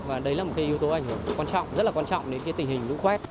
và đấy là một cái yếu tố ảnh hưởng quan trọng rất là quan trọng đến cái tình hình lũ quét